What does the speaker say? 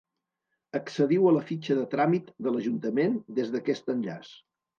Accediu a la fitxa de tràmit de l'Ajuntament des d'aquest enllaç.